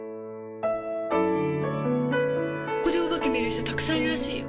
ここでお化け見る人たくさんいるらしいよ。